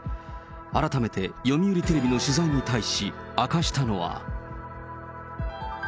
改めて読売テレビの取材に対し、明かしたのは。